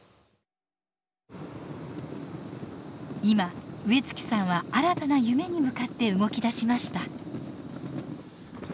今植月さんは新たな夢に向かって動きだしました。